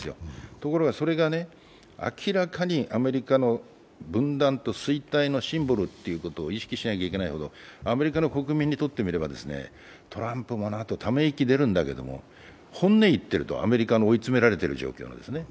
ところがそれが、明らかにアメリカの分断と衰退のシンボルだと意識しなきゃいけないほどアメリカの国民にとってはトランプもなと、ため息出るんだけれども、本音を言っているとアメリカも追い詰められている状況なんですね。